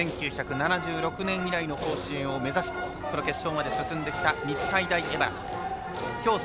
１９７６年以来の甲子園を目指すこの決勝まで進んできた日体大荏原。